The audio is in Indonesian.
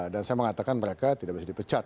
dan saya mengatakan mereka tidak bisa dipecat